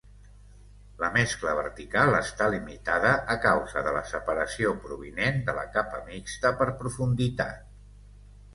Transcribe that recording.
La mescla vertical està limitada a causa de la separació provinent de la capa mixta per profunditat.